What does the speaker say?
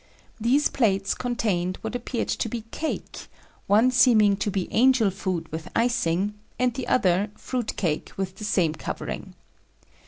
These plates contained what appeared to be cake, one seeming to be angel food with icing, and the other fruit cake with the same covering.